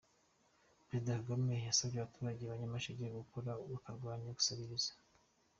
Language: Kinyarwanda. Perezida Kagame yasabye abaturage ba Nyamasheke gukora bakarwanya gusabiriza